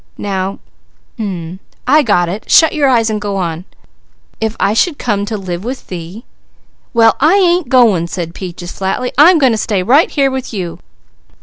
Now I got it! Shut your eyes and go on: "If I should come to live with Thee " "Well I ain't goin'!" said Peaches flatly. "I'm goin' to stay right here with you.